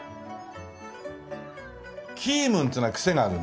キームンっていうのはクセがあるね。